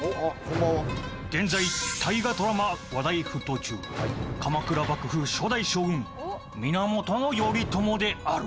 現在大河ドラマ話題沸騰中鎌倉幕府初代将軍源頼朝である。